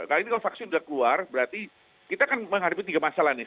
kalau vaksin sudah keluar berarti kita akan menghadapi tiga masalah nih